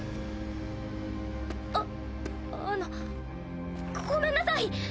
ああのごめんなさい。